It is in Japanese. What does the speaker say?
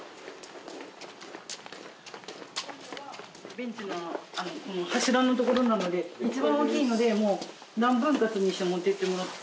ベンチの柱の所なので一番大きいので何分割にして持っていってもらって。